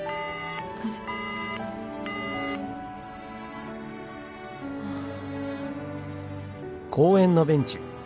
あれ。ハァ。